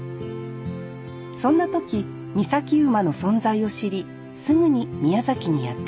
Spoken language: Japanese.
そんな時岬馬の存在を知りすぐに宮崎にやって来ました